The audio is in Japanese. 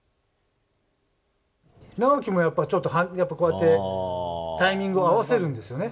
尚輝もやっぱこうやって、タイミングを合わせるんですよね。